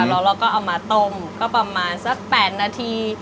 แล้วเราก็เอามาต้มก็ประมาณสัก๘นาที